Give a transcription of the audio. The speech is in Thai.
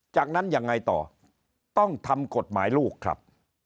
จากนั้นยังไงต่อต้องทำกฎหมายลูกครับ